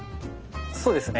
そうですね。